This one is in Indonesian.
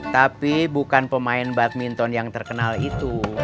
tapi bukan pemain badminton yang terkenal itu